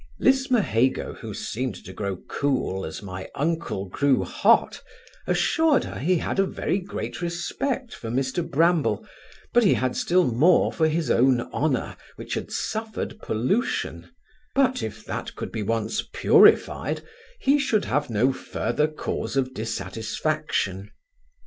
Lismahago, who seemed to grow cool as my uncle grew hot, assured her he had a very great respect for Mr Bramble, but he had still more for his own honour, which had suffered pollution; but if that could be once purified, he should have no further cause of dissatisfaction.